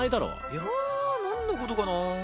いやなんのことかなぁ